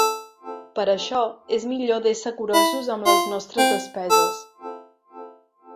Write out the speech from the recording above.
Per això, és millor d’ésser curosos amb les nostres despeses.